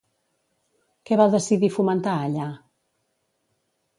Què va decidir fomentar allà?